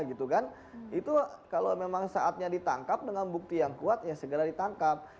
itu kalau memang saatnya ditangkap dengan bukti yang kuat ya segera ditangkap